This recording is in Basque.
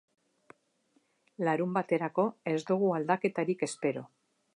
Larunbaterako ez dugu aldaketarik espero.